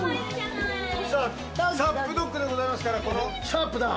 ＳＵＰドッグでございますからこのシャープな。